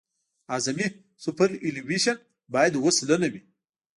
اعظمي سوپرایلیویشن باید اوه سلنه وي